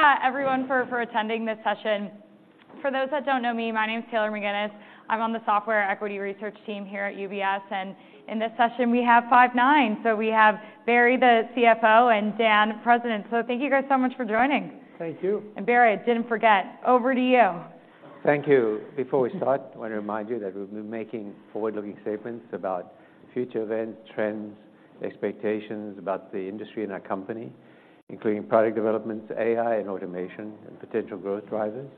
Thanks, everyone, for attending this session. For those that don't know me, my name is Taylor McGinnis. I'm on the software equity research team here at UBS, and in this session, we have Five9. So we have Barry, the CFO, and Dan, the President. So thank you guys so much for joining. Thank you. Barry, I didn't forget. Over to you. Thank you. Before we start, I want to remind you that we've been making forward-looking statements about future events, trends, expectations about the industry and our company, including product developments, AI and automation, and potential growth drivers.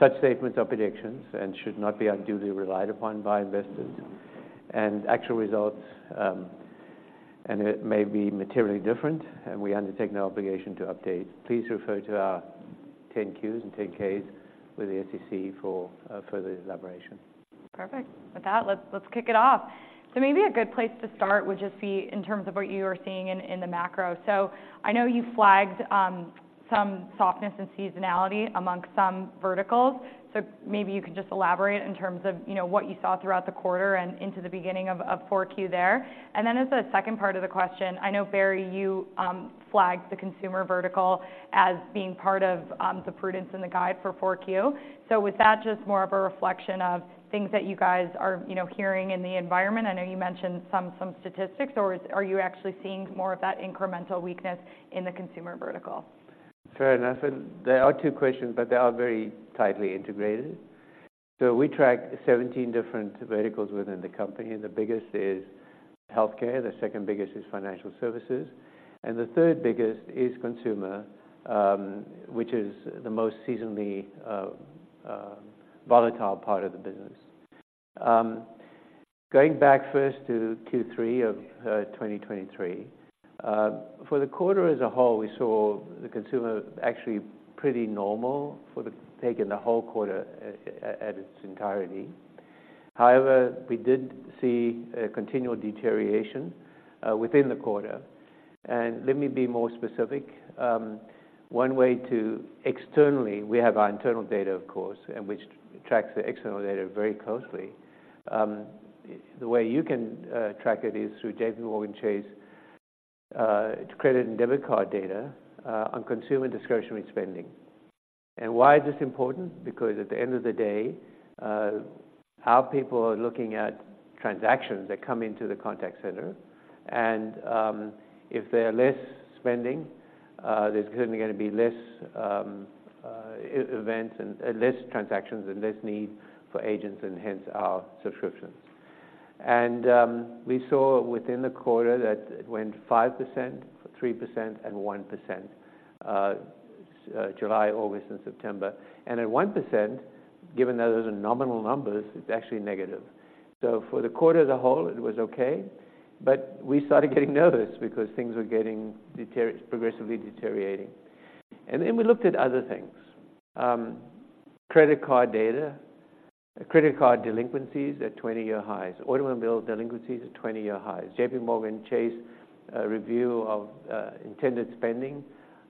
Such statements are predictions and should not be unduly relied upon by investors, and actual results, and it may be materially different, and we undertake no obligation to update. Please refer to our 10-Qs and 10-Ks with the SEC for further elaboration. Perfect. With that, let's kick it off. So maybe a good place to start would just be in terms of what you are seeing in the macro. So I know you flagged some softness and seasonality among some verticals, so maybe you could just elaborate in terms of, you know, what you saw throughout the quarter and into the beginning of Q4 there. And then as a second part of the question, I know, Barry, you flagged the consumer vertical as being part of the prudence and the guide for Q4 So was that just more of a reflection of things that you guys are, you know, hearing in the environment? I know you mentioned some statistics, or are you actually seeing more of that incremental weakness in the consumer vertical? Fair enough. There are two questions, but they are very tightly integrated. So we track 17 different verticals within the company. The biggest is healthcare, the second biggest is financial services, and the third biggest is consumer, which is the most seasonally volatile part of the business. Going back first to Q3 of 2023, for the quarter as a whole, we saw the consumer actually pretty normal, for the taking the whole quarter at its entirety. However, we did see a continual deterioration within the quarter. Let me be more specific. One way to externally, we have our internal data, of course, and which tracks the external data very closely. The way you can track it is through JPMorgan Chase credit and debit card data on consumer discretionary spending. Why is this important? Because at the end of the day, our people are looking at transactions that come into the contact center, and, if they're less spending, there's certainly going to be less, events and less transactions and less need for agents, and hence our subscriptions. And, we saw within the quarter that it went 5%, 3%, and 1%, July, August, and September. And at 1%, given that those are nominal numbers, it's actually negative. So for the quarter as a whole, it was okay, but we started getting nervous because things were getting progressively deteriorating. And then we looked at other things. Credit card data, credit card delinquencies at 20-year highs, automobile delinquencies at 20-year highs. JPMorgan Chase review of intended spending,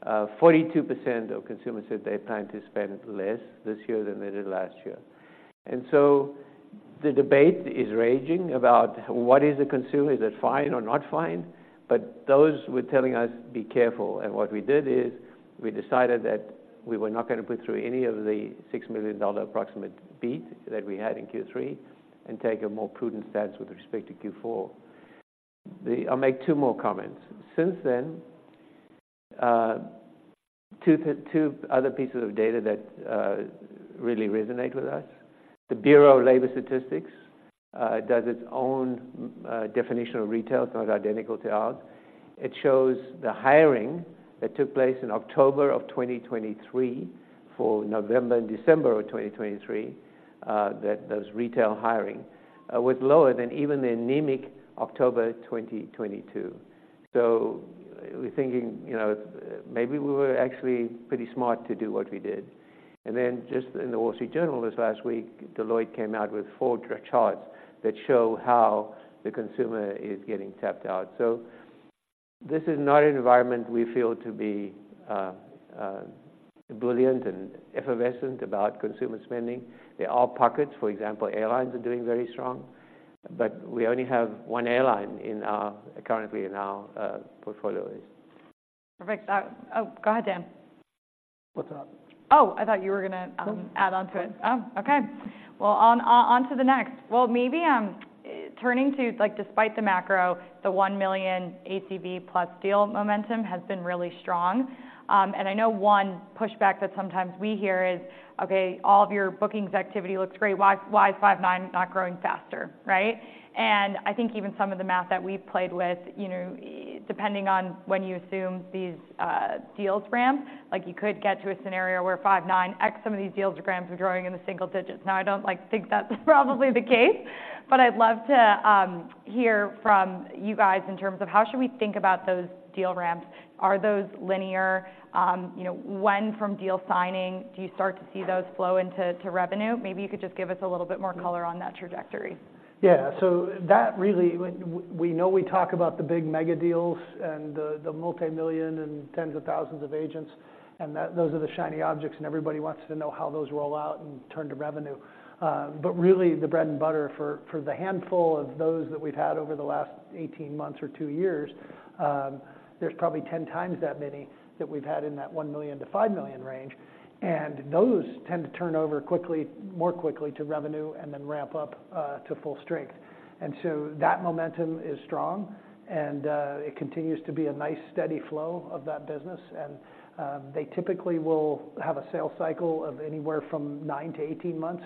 42% of consumers said they plan to spend less this year than they did last year. And so the debate is raging about what is the consumer, is it fine or not fine? But those were telling us, "Be careful." And what we did is, we decided that we were not going to put through any of the $6 million approximate beat that we had in Q3, and take a more prudent stance with respect to Q4. I'll make two more comments. Since then, two other pieces of data that really resonate with us. The Bureau of Labor Statistics does its own definition of retail. It's not identical to ours. It shows the hiring that took place in October of 2023, for November and December of 2023, that those retail hiring was lower than even the anemic October 2022. So we're thinking, you know, maybe we were actually pretty smart to do what we did. And then, just in The Wall Street Journal this last week, Deloitte came out with four charts that show how the consumer is getting tapped out. So this is not an environment we feel to be, brilliant and effervescent about consumer spending. There are pockets, for example, airlines are doing very strong, but we only have one airline in our, currently in our, portfolios. Perfect. Oh, go ahead, Dan. What's up? Oh, I thought you were gonna add on to it. Okay. Oh, okay. Well, on to the next. Well, maybe turning to, like, despite the macro, the $1 million ACV plus deal momentum has been really strong. And I know one pushback that sometimes we hear is, "Okay, all of your bookings activity looks great. Why, why is Five9 not growing faster?" Right? And I think even some of the math that we've played with, you know, depending on when you assume these deals ramp, like, you could get to a scenario where Five9 x some of these deals or ramps are growing in the single digits. Now, I don't, like, think that's probably the case, but I'd love to hear from you guys in terms of how should we think about those deal ramps? Are those linear? You know, when from deal signing do you start to see those flow into to revenue? Maybe you could just give us a little bit more color on that trajectory. Yeah. So that really, we know we talk about the big mega deals and the, the multimillion and tens of thousands of agents, and that those are the shiny objects, and everybody wants to know how those roll out and turn to revenue. But really, the bread and butter for the handful of those that we've had over the last 18 months or two years, there's probably 10x that many that we've had in that $1 million-$5 million range, and those tend to turn over quickly, more quickly to revenue and then ramp up to full strength. And so that momentum is strong, and it continues to be a nice, steady flow of that business. And they typically will have a sales cycle of anywhere from nine to 18 months.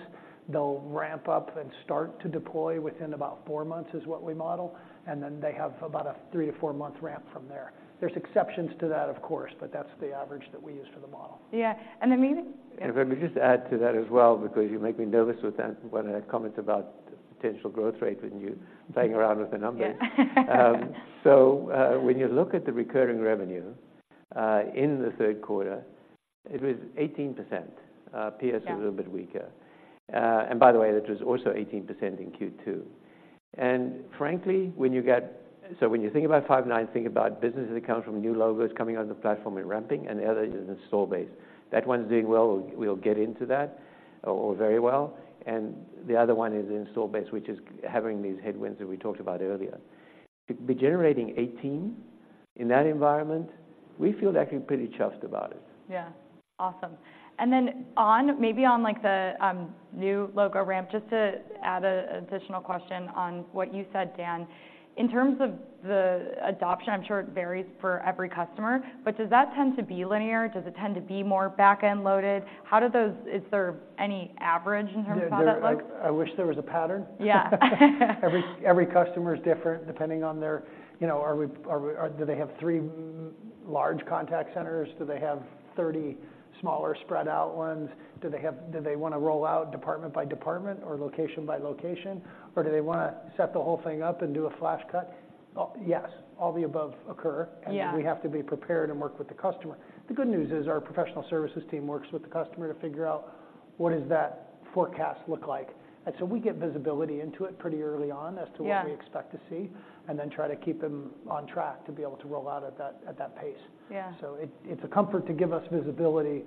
They'll ramp up and start to deploy within about four months, is what we model, and then they have about a three to four-month ramp from there. There's exceptions to that, of course, but that's the average that we use for the model. Yeah, and then maybe- Let me just add to that as well, because you make me nervous with that, when I comment about the potential growth rate and you playing around with the numbers. Yeah. When you look at the recurring revenue in the Q3, it was 18%. PS is a little bit weaker. And by the way, it was also 18% in Q2. And frankly, when you get, so when you think about Five9, think about businesses that come from new logos coming on the platform and ramping, and the other is installed base. That one's doing well. We'll get into that, or very well, and the other one is the installed base, which is having these headwinds that we talked about earlier. But generating 18% in that environment, we feel actually pretty chuffed about it. Yeah. Awesome. And then maybe on, like, the new logo ramp, just to add an additional question on what you said, Dan. In terms of the adoption, I'm sure it varies for every customer, but does that tend to be linear? Does it tend to be more back-end loaded? How do those, is there any average in terms of how that looks? There are. I wish there was a pattern. Yeah. Every customer is different, depending on their, you know, do they have three large contact centers? Do they have 30 smaller, spread out ones? Do they have - do they want to roll out department by department or location by location? Or do they want to set the whole thing up and do a flash cut? Yes, all the above occur. Yeah We have to be prepared and work with the customer. The good news is, our professional services team works with the customer to figure out what does that forecast look like. So we get visibility into it pretty early on. Yeah as to what we expect to see, and then try to keep them on track to be able to roll out at that, at that pace. Yeah. So it's a comfort to give us visibility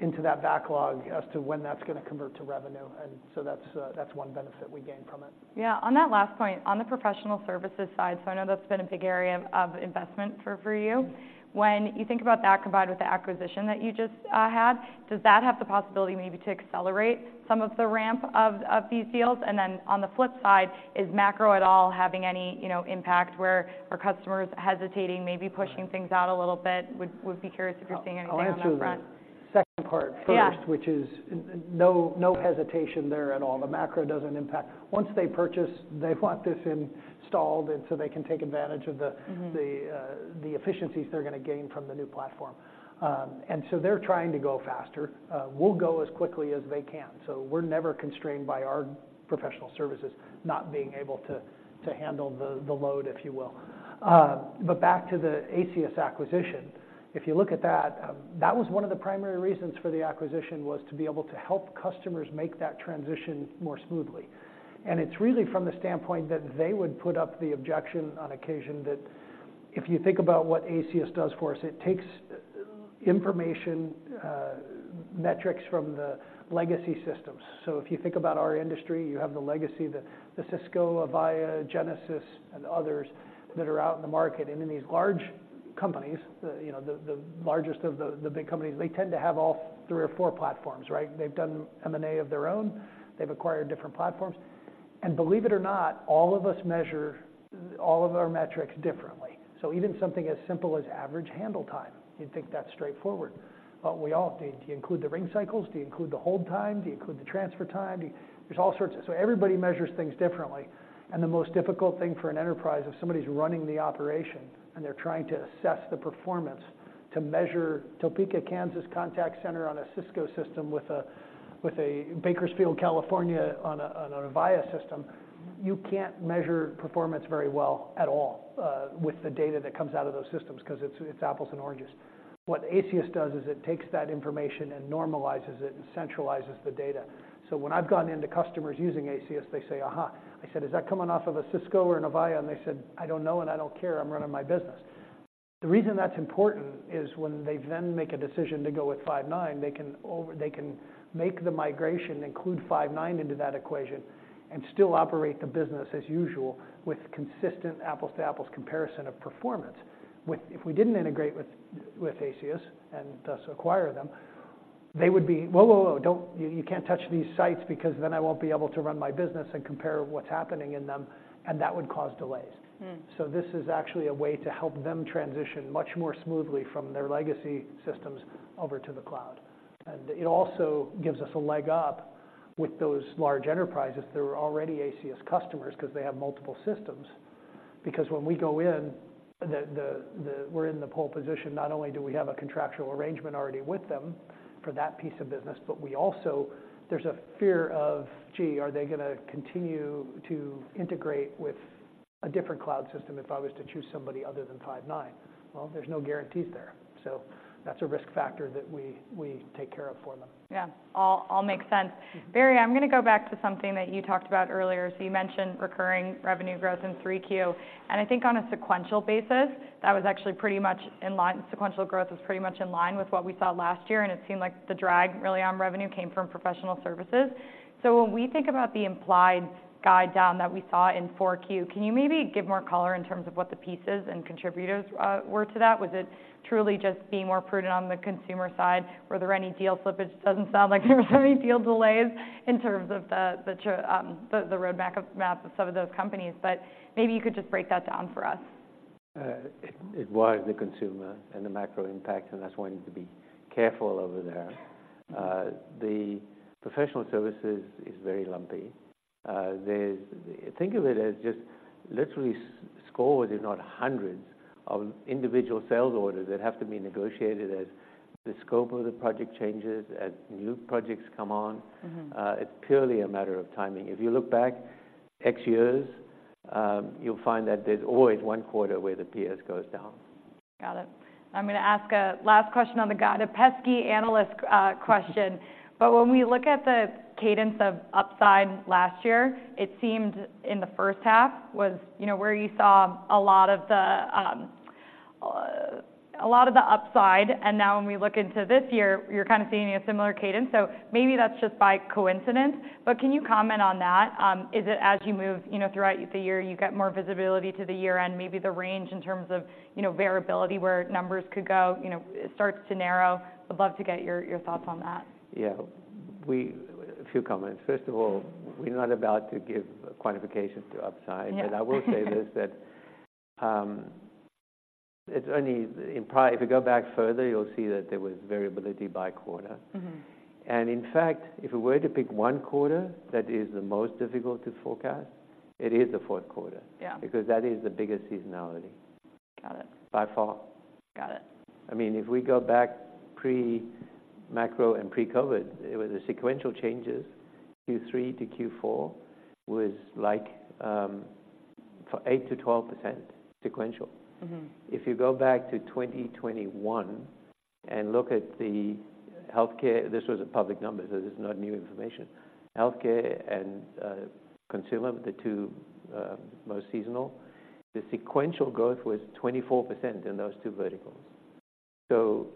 into that backlog as to when that's going to convert to revenue. And so that's one benefit we gain from it. Yeah. On that last point, on the professional services side, so I know that's been a big area of investment for you. When you think about that, combined with the acquisition that you just had, does that have the possibility maybe to accelerate some of the ramp of these deals? And then on the flip side, is macro at all having any, you know, impact, where are customers hesitating, maybe pushing things out a little bit? Would be curious if you're seeing anything on that front. I'll answer the second part first which is no, no hesitation there at all. The macro doesn't impact. Once they purchase, they want this installed, and so they can take advantage of the efficiencies they're going to gain from the new platform. And so they're trying to go faster. We'll go as quickly as they can, so we're never constrained by our professional services not being able to handle the load, if you will. But back to the Aceyus acquisition, if you look at that, that was one of the primary reasons for the acquisition, was to be able to help customers make that transition more smoothly. And it's really from the standpoint that they would put up the objection on occasion, that if you think about what Aceyus does for us, it takes information, metrics from the legacy systems. So if you think about our industry, you have the legacy, the Cisco, Avaya, Genesys, and others that are out in the market. In these large companies, the, you know, the largest of the big companies, they tend to have all three or four platforms, right? They've done M&A of their own. They've acquired different platforms. And believe it or not, all of us measure all of our metrics differently. So even something as simple as average handle time, you'd think that's straightforward. But we all— Do you include the ring cycles? Do you include the hold time? Do you include the transfer time? There's all sorts of— so everybody measures things differently. The most difficult thing for an enterprise, if somebody's running the operation and they're trying to assess the performance, to measure Topeka, Kansas, contact center on a Cisco system with a Bakersfield, California, on a Avaya system, you can't measure performance very well at all with the data that comes out of those systems, 'cause it's, it's apples and oranges. What Aceyus does is it takes that information and normalizes it and centralizes the data. So when I've gone into customers using Aceyus, they say, "Aha!" I said, "Is that coming off of a Cisco or an Avaya?" And they said, "I don't know, and I don't care. I'm running my business." The reason that's important is when they then make a decision to go with Five9, they can make the migration, include Five9 into that equation, and still operate the business as usual, with consistent apples-to-apples comparison of performance. If we didn't integrate with Aceyus and thus acquire them, they would be, "Whoa, whoa, whoa, don't... You can't touch these sites, because then I won't be able to run my business and compare what's happening in them," and that would cause delays. So this is actually a way to help them transition much more smoothly from their legacy systems over to the cloud. And it also gives us a leg up with those large enterprises that are already Aceyus customers, 'cause they have multiple systems. Because when we go in, we're in the pole position, not only do we have a contractual arrangement already with them for that piece of business, but we also, there's a fear of, "Gee, are they gonna continue to integrate with a different cloud system if I was to choose somebody other than Five9?" Well, there's no guarantees there, so that's a risk factor that we take care of for them. Yeah. All makes sense. Barry, I'm gonna go back to something that you talked about earlier. So you mentioned recurring revenue growth in Q3. And I think on a sequential basis, that was actually pretty much in line—sequential growth was pretty much in line with what we saw last year, and it seemed like the drag, really, on revenue came from professional services. So when we think about the implied guide down that we saw in Q4, can you maybe give more color in terms of what the pieces and contributors were to that? Was it truly just being more prudent on the consumer side? Were there any deal slippage? Doesn't sound like there were any deal delays in terms of the roadmap of some of those companies. But maybe you could just break that down for us. It was the consumer and the macro impact, and that's why we need to be careful over there. The professional services is very lumpy. There's. Think of it as just literally scores, if not hundreds, of individual sales orders that have to be negotiated as the scope of the project changes, as new projects come on. It's purely a matter of timing. If you look back X years, you'll find that there's always one quarter where the PS goes down. Got it. I'm gonna ask a last question on the guide, a pesky analyst question. But when we look at the cadence of upside last year, it seemed in the H1 was, you know, where you saw a lot of the, a lot of the upside, and now when we look into this year, you're kind of seeing a similar cadence. So maybe that's just by coincidence, but can you comment on that? Is it as you move, you know, throughout the year, you get more visibility to the year-end, maybe the range in terms of, you know, variability, where numbers could go, you know, it starts to narrow? I'd love to get your, your thoughts on that. Yeah. A few comments. First of all, we're not about to give quantification to upside. Yeah. But I will say this, that, it's only in. If you go back further, you'll see that there was variability by quarter. In fact, if we were to pick one quarter that is the most difficult to forecast, it is the Q4. Yeah. Because that is the biggest seasonality. Got it. By far. Got it. I mean, if we go back pre-macro and pre-COVID, it was the sequential changes. Q3 to Q4 was like, for 8%-12% sequential. If you go back to 2021 and look at the healthcare. This was a public number, so this is not new information. Healthcare and, consumer, the two, most seasonal, the sequential growth was 24% in those two verticals. So,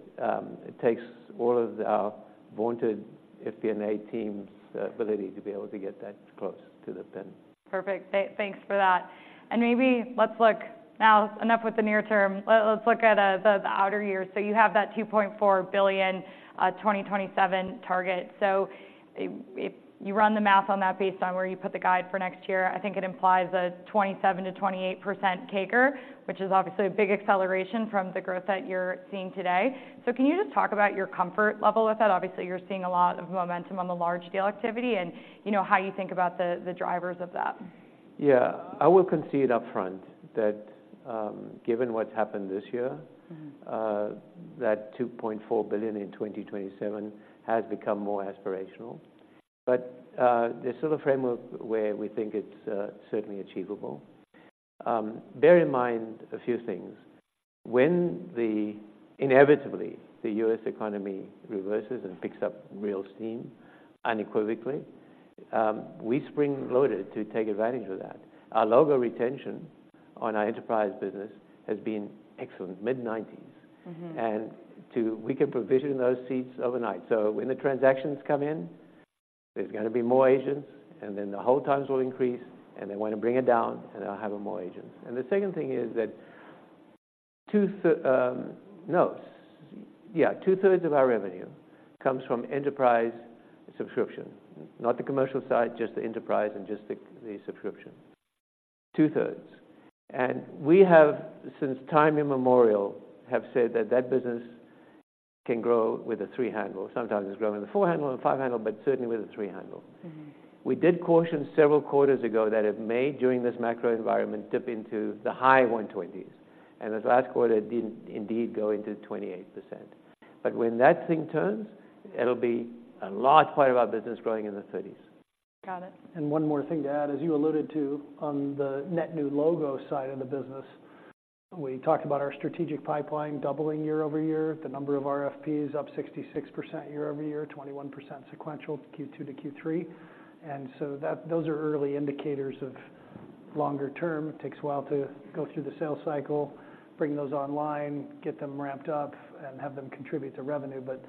it takes all of our vaunted FP&A team's, ability to be able to get that close to the pin. Perfect. Thanks for that. And maybe let's look. Now, enough with the near term. Let's look at the outer years. So you have that $2.4 billion 2027 target. So if you run the math on that based on where you put the guide for next year, I think it implies a 27%-28% CAGR, which is obviously a big acceleration from the growth that you're seeing today. So can you just talk about your comfort level with that? Obviously, you're seeing a lot of momentum on the large-scale activity and, you know, how you think about the drivers of that. Yeah. I will concede upfront that, given what's happened this year that $2.4 billion in 2027 has become more aspirational. But, there's still a framework where we think it's, certainly achievable. Bear in mind a few things. When the, inevitably, the U.S. economy reverses and picks up real steam unequivocally, we spring-loaded to take advantage of that. Our logo retention on our enterprise business has been excellent, mid-90s%. We can provision those seats overnight. So when the transactions come in, there's gonna be more agents, and then the hold times will increase, and they want to bring it down, and they'll have more agents. And the second thing is that 2/3 of our revenue comes from enterprise subscription. Not the commercial side, just the enterprise and just the, the subscription. 2/3s. And we have, since time immemorial, said that that business can grow with a three handle. Sometimes it's grown with a four handle and a five handle, but certainly with a three handle. We did caution several quarters ago that it may, during this macro environment, dip into the high 120s, and this last quarter, it did indeed go into 28%. But when that thing turns, it'll be a large part of our business growing in the 30s. Got it. And one more thing to add, as you alluded to on the net new logo side of the business, we talked about our strategic pipeline doubling year-over-year, the number of RFPs up 66% year-over-year, 21% sequential Q2 to Q3. And so those are early indicators of longer term. It takes a while to go through the sales cycle, bring those online, get them ramped up, and have them contribute to revenue. But,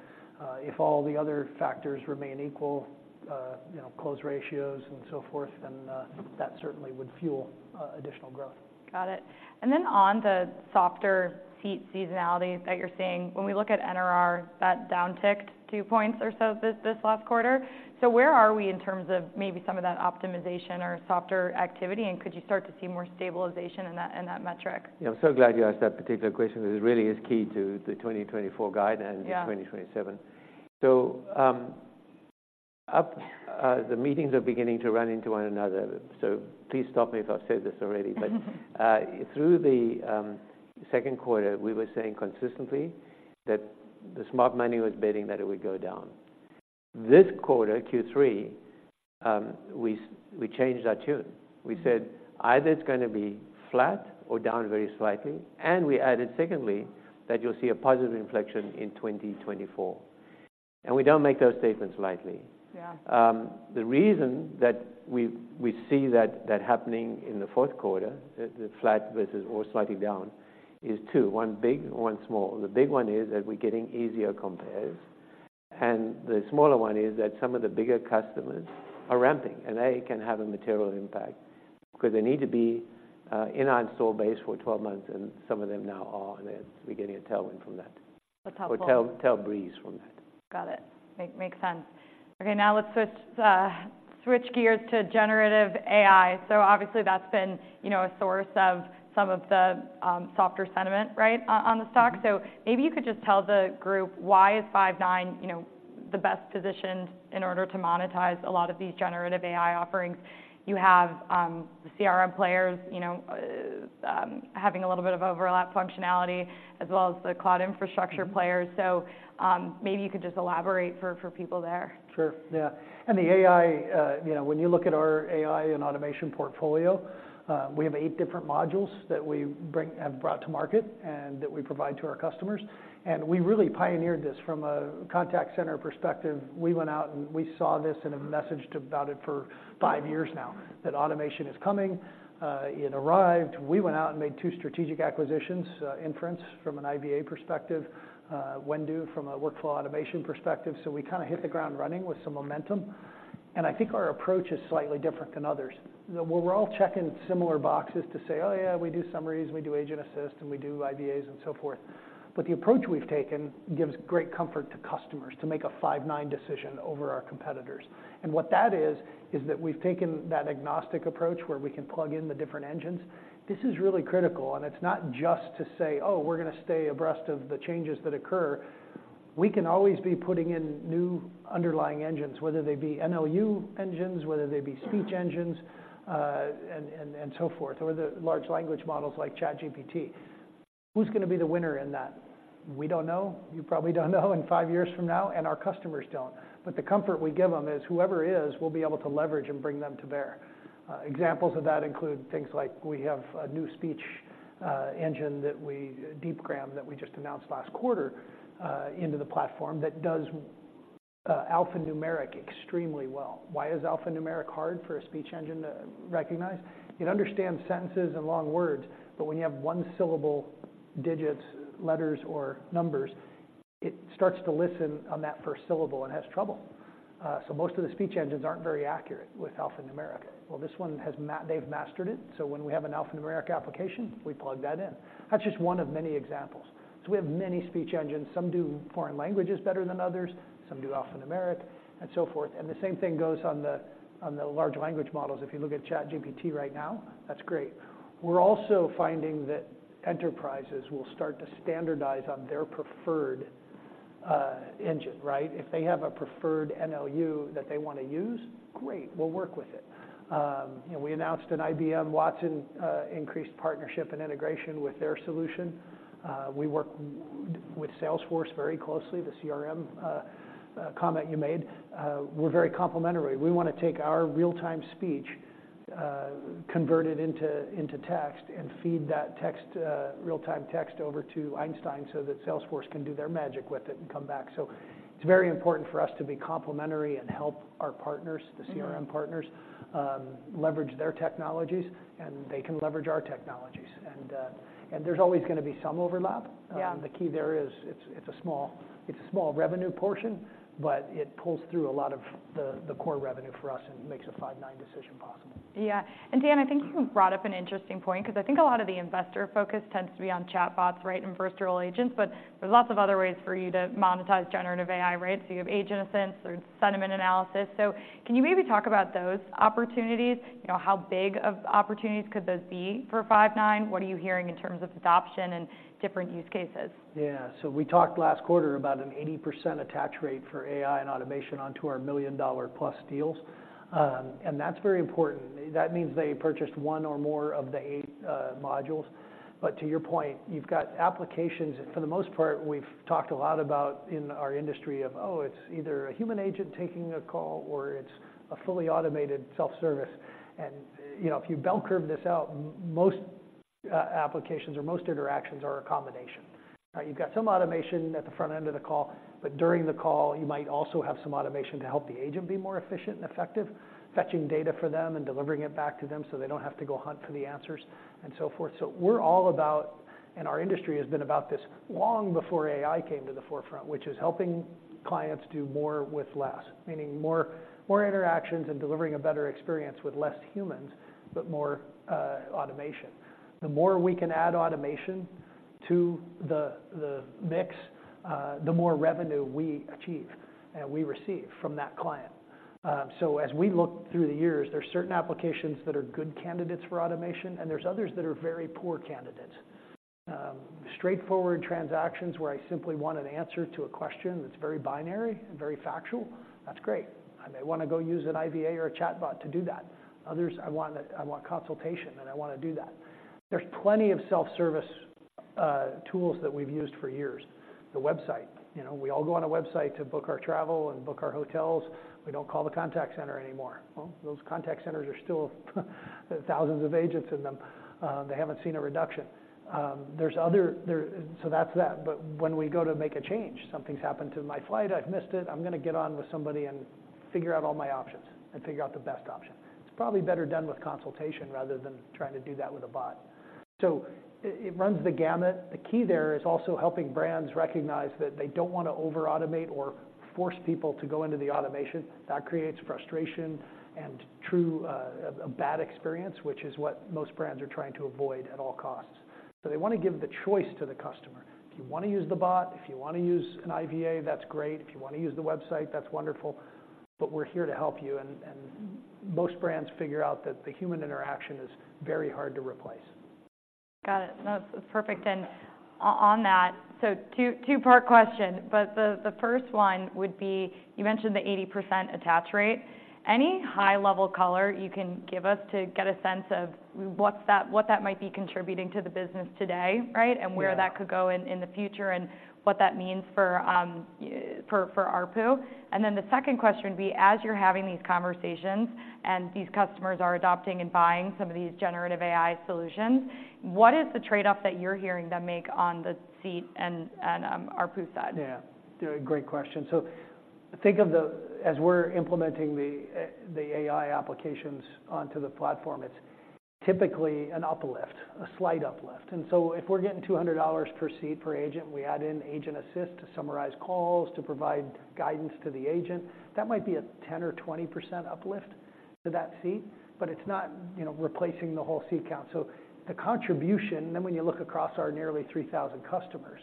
if all the other factors remain equal, you know, close ratios and so forth, then, that certainly would fuel additional growth. Got it. And then on the softer seat seasonality that you're seeing, when we look at NRR, that downticked two points or so this, this last quarter. So where are we in terms of maybe some of that optimization or softer activity, and could you start to see more stabilization in that, in that metric? Yeah, I'm so glad you asked that particular question, because it really is key to the 2024 guide and 2027. So, the meetings are beginning to run into one another, so please stop me if I've said this already. But, through the Q2, we were saying consistently that the smart money was betting that it would go down. This quarter, Q3, we changed our tune. We said, either it's gonna be flat or down very slightly, and we added, secondly, that you'll see a positive inflection in 2024. And we don't make those statements lightly. Yeah. The reason that we see that happening in the Q4, the flat versus or slightly down, is two: one big, one small. The big one is that we're getting easier compares, and the smaller one is that some of the bigger customers are ramping, and they can have a material impact because they need to be in our install base for 12 months, and some of them now are, and then we're getting a tailwind from that. That's helpful. Overall tailwinds from that. Got it. Makes sense. Okay, now let's switch gears to Generative AI. So obviously, that's been, you know, a source of some of the softer sentiment, right, on the stock. So maybe you could just tell the group why is Five9, you know, the best positioned in order to monetize a lot of these Generative AI offerings. You have the CRM players, you know, having a little bit of overlap functionality, as well as the cloud infrastructure players. So maybe you could just elaborate for people there. Sure. Yeah. And the AI, you know, when you look at our AI and automation portfolio, we have eight different modules that we have brought to market and that we provide to our customers. And we really pioneered this from a contact center perspective. We went out and we saw this and have messaged about it for five years now, that automation is coming. It arrived. We went out and made two strategic acquisitions, Inference from an IVA perspective, Whendu from a workflow automation perspective. So we kinda hit the ground running with some momentum. And I think our approach is slightly different than others. Well, we're all checking similar boxes to say, "Oh, yeah, we do summaries, we do agent assist, and we do IVAs and so forth." But the approach we've taken gives great comfort to customers to make a Five9 decision over our competitors. And what that is, is that we've taken that agnostic approach, where we can plug in the different engines. This is really critical, and it's not just to say, "Oh, we're gonna stay abreast of the changes that occur." We can always be putting in new underlying engines, whether they be NLU engines, whether they be speech engines, and so forth, or the large language models like ChatGPT. Who's gonna be the winner in that? We don't know. We probably don't know in five years from now, and our customers don't. But the comfort we give them is whoever is, we'll be able to leverage and bring them to bear. Examples of that include things like we have a new speech engine, Deepgram, that we just announced last quarter into the platform, that does alphanumeric extremely well. Why is alphanumeric hard for a speech engine to recognize? It understands sentences and long words, but when you have one-syllable digits, letters, or numbers, it starts to listen on that first syllable and has trouble. So most of the speech engines aren't very accurate with alphanumeric. Well, they've mastered it, so when we have an alphanumeric application, we plug that in. That's just one of many examples. So we have many speech engines. Some do foreign languages better than others, some do alphanumeric, and so forth. And the same thing goes on the large language models. If you look at ChatGPT right now, that's great. We're also finding that enterprises will start to standardize on their preferred engine, right? If they have a preferred NLU that they wanna use, great, we'll work with it. You know, we announced an IBM Watson increased partnership and integration with their solution. We work with Salesforce very closely, the CRM comment you made. We're very complementary. We wanna take our real-time speech, convert it into text, and feed that text, real-time text over to Einstein so that Salesforce can do their magic with it and come back. So it's very important for us to be complementary and help our partners. The CRM partners leverage their technologies, and they can leverage our technologies. And, and there's always gonna be some overlap. Yeah. The key there is it's a small revenue portion, but it pulls through a lot of the core revenue for us and makes a Five9 decision possible. Yeah. And Dan, I think you brought up an interesting point, 'cause I think a lot of the investor focus tends to be on chatbots, right, and first-role agents, but there's lots of other ways for you to monetize generative AI, right? So you have agent assist, there's sentiment analysis. So can you maybe talk about those opportunities? You know, how big of opportunities could those be for Five9? What are you hearing in terms of adoption and different use cases? Yeah. So we talked last quarter about an 80% attach rate for AI and automation onto our million-dollar-plus deals, and that's very important. That means they purchased one or more of the 8 modules. But to your point, you've got applications, and for the most part, we've talked a lot about in our industry of, oh, it's either a human agent taking a call or it's a fully automated self-service. And, you know, if you bell curve this out, most applications or most interactions are a combination. You've got some automation at the front end of the call, but during the call, you might also have some automation to help the agent be more efficient and effective, fetching data for them and delivering it back to them, so they don't have to go hunt for the answers, and so forth. So we're all about, and our industry has been about this long before AI came to the forefront, which is helping clients do more with less, meaning more interactions and delivering a better experience with less humans, but more automation. The more we can add automation to the mix, the more revenue we achieve and we receive from that client. So as we look through the years, there are certain applications that are good candidates for automation, and there's others that are very poor candidates. Straightforward transactions where I simply want an answer to a question that's very binary and very factual, that's great. I may wanna go use an IVA or a chatbot to do that. Others, I want consultation, and I wanna do that. There's plenty of self-service tools that we've used for years. The website, you know, we all go on a website to book our travel and book our hotels. We don't call the contact center anymore. Well, those contact centers are still, thousands of agents in them. They haven't seen a reduction. So that's that. But when we go to make a change, something's happened to my flight, I've missed it, I'm gonna get on with somebody and figure out all my options and figure out the best option. It's probably better done with consultation rather than trying to do that with a bot. So it runs the gamut. The key there is also helping brands recognize that they don't wanna over-automate or force people to go into the automation. That creates frustration and true, a bad experience, which is what most brands are trying to avoid at all costs. So they wanna give the choice to the customer. If you wanna use the bot, if you wanna use an IVA, that's great. If you wanna use the website, that's wonderful, but we're here to help you, and, and most brands figure out that the human interaction is very hard to replace. Got it. No, it's perfect. And on that, so two-part question, but the first one would be, you mentioned the 80% attach rate. Any high-level color you can give us to get a sense of what that might be contributing to the business today, right? Where that could go in the future, and what that means for ARPU? Then the second question would be, as you're having these conversations, and these customers are adopting and buying some of these generative AI solutions, what is the trade-off that you're hearing them make on the seat and ARPU side? Yeah. Great question. So think of the as we're implementing the, the AI applications onto the platform, it's typically an uplift, a slight uplift. And so if we're getting $200 per seat per agent, we add in Agent Assist to summarize calls, to provide guidance to the agent. That might be a 10% or 20% uplift to that seat, but it's not, you know, replacing the whole seat count. So the contribution, then when you look across our nearly 3,000 customers,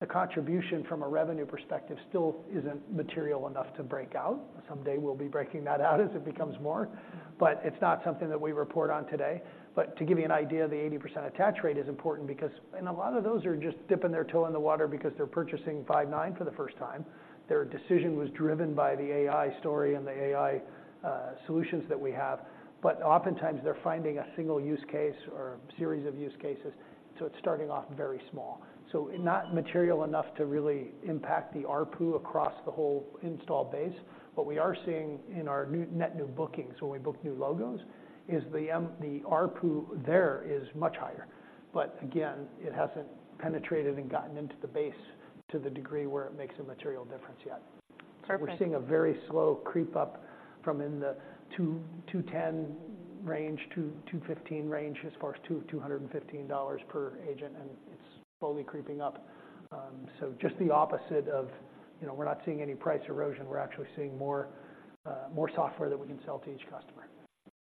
the contribution from a revenue perspective still isn't material enough to break out. Someday we'll be breaking that out as it becomes more, but it's not something that we report on today. But to give you an idea, the 80% attach rate is important because... A lot of those are just dipping their toe in the water because they're purchasing Five9 for the first time. Their decision was driven by the AI story and the AI solutions that we have. But oftentimes, they're finding a single use case or series of use cases, so it's starting off very small. So not material enough to really impact the ARPU across the whole install base. What we are seeing in our new, net new bookings, when we book new logos, is the ARPU there is much higher. But again, it hasn't penetrated and gotten into the base to the degree where it makes a material difference yet. Perfect. We're seeing a very slow creep up from the $210 range to $215 range, as far as to $215 per agent, and it's slowly creeping up. So just the opposite of, you know, we're not seeing any price erosion, we're actually seeing more, more software that we can sell to each customer.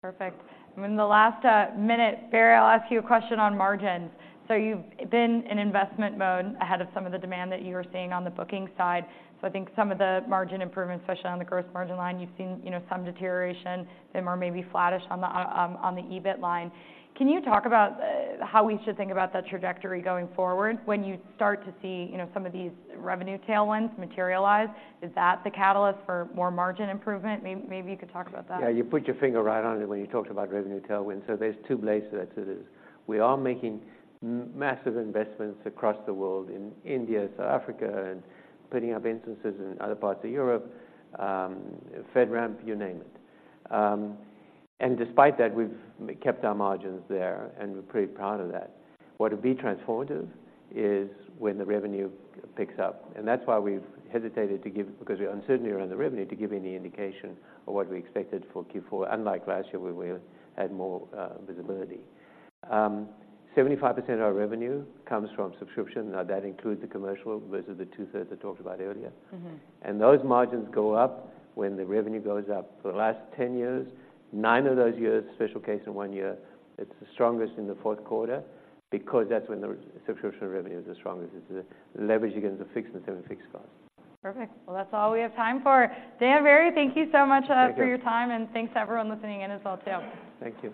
Perfect. And then the last minute, Barry, I'll ask you a question on margins. So you've been in investment mode ahead of some of the demand that you were seeing on the booking side. So I think some of the margin improvements, especially on the gross margin line, you've seen, you know, some deterioration, them are maybe flattish on the EBIT line. Can you talk about how we should think about that trajectory going forward when you start to see, you know, some of these revenue tailwinds materialize? Is that the catalyst for more margin improvement? Maybe you could talk about that. Yeah, you put your finger right on it when you talked about revenue tailwind. So there's two blades to this. We are making massive investments across the world, in India, South Africa, and putting up instances in other parts of Europe, FedRAMP, you name it. And despite that, we've kept our margins there, and we're pretty proud of that. What would be transformative is when the revenue picks up, and that's why we've hesitated to give, because the uncertainty around the revenue, to give any indication of what we expected for Q4, unlike last year, where we had more visibility. 75% of our revenue comes from subscription. Now, that includes the commercial versus the two-thirds I talked about earlier. Those margins go up when the revenue goes up. For the last 10 years, nine of those years, special case in one year, it's the strongest in the Q4 because that's when the subscription revenues are strongest. It's the leverage against the fixed and semi-fixed costs. Perfect. Well, that's all we have time for. Dan, Barry, thank you so much for your time, and thanks to everyone listening in as well, too. Thank you.